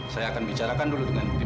saya akan bicarakan dulu dengan tim